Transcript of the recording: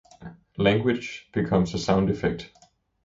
Language becomes a sound effect.